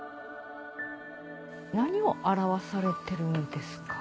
何を表されてるんですか？